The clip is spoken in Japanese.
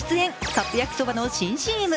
カップ焼きそばの新ＣＭ。